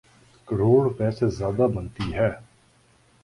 کروڑ روپے سے زیادہ بنتی ہے۔